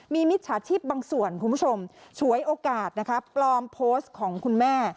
มีมิจฉาชีพบางส่วนคุณผู้ชมฉวยโอกาสนะคะปลอมโพสต์ของคุณแม่